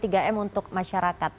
yang penting untuk masyarakat